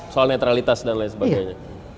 soal netralitas dan lain sebagainya